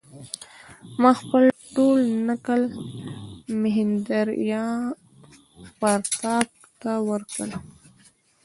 ما خپل ټول نکل مهیندراپراتاپ ته وکړ.